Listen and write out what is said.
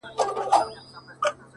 زموږه دوو زړونه دي تل د محبت مخته وي؛